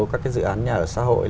các cái dự án nhà ở xã hội